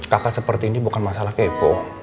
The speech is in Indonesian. kakak seperti ini bukan masalah kepo